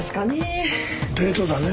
デートだね。